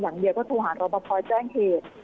หลังเดียวเขาโทรหาเรามาพอแจ้งเหตุ